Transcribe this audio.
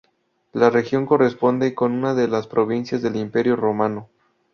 La región corresponde con una de las provincias del Imperio romano.